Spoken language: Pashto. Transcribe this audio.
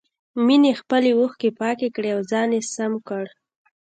مينې خپلې اوښکې پاکې کړې او ځان يې سم کړ.